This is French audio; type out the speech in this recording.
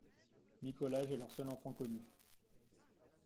Mikołaj est leur seul enfant connu.